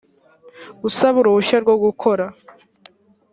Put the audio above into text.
usaba uruhushya rwo gukora